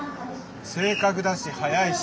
正確だし速いし。